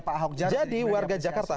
pak ahok jadi warga jakarta